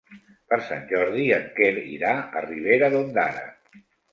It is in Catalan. Per Sant Jordi en Quer irà a Ribera d'Ondara.